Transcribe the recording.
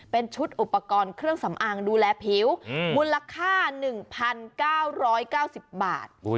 เป็นชุดอุปกรณ์เครื่องสำอางดูแลผิวมูลค่า๑๙๙๐บาท